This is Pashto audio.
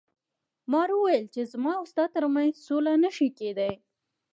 مار وویل چې زما او ستا تر منځ سوله نشي کیدی.